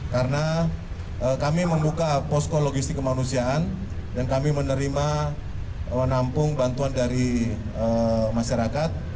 karena kami membuka posko logistik kemanusiaan dan kami menerima nampung bantuan dari masyarakat